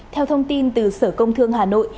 theo thông tin từ sở công thương hà nội